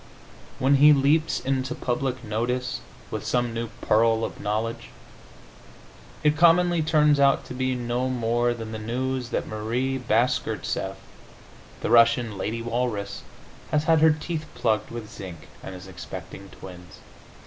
When he leaps into public notice with some new pearl of knowledge, it commonly turns out to be no more than the news that Marie Bashkirtseff, the Russian lady walrus, has had her teeth plugged with zinc and is expecting twins.